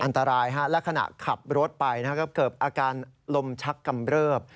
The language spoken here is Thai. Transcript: อันตรายครับและขณะขับรถไปนะครับเกือบอาการลมชักกำเริบ